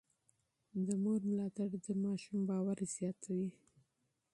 د مور ملاتړ د ماشوم اعتماد قوي کوي.